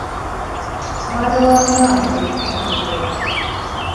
Mwana wa maama oliko enjogera!